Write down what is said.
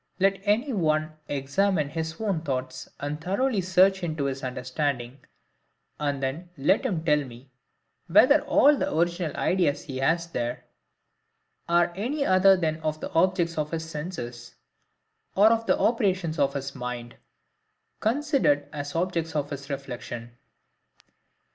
Let any one examine his own thoughts, and thoroughly search into his understanding; and then let him tell me, whether all the original ideas he has there, are any other than of the objects of his senses, or of the operations of his mind, considered as objects of his reflection.